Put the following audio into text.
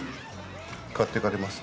買っていかれます？